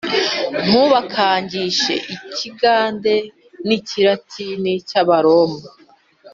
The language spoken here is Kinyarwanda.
Ntubakangishe ikigade n'ikiratini cy'Abaroma